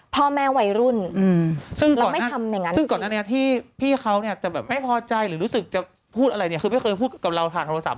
พูดอะไรเนี่ยคือไม่เคยพูดกับเราผ่านโทรศัพท์